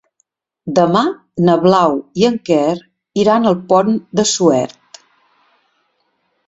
Demà na Blau i en Quer iran al Pont de Suert.